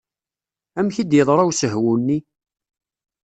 Amek i d-yeḍra usehwu-nni?